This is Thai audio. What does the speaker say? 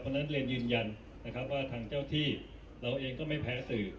เพราะฉะนั้นเรียนยืนยันนะครับว่าทางเจ้าที่เราเองก็ไม่แพ้สื่อ